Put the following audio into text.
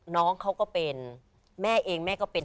น้องเขาก็เป็นแม่เองแม่ก็เป็น